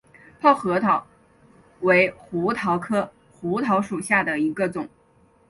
泡核桃为胡桃科胡桃属下的一个种。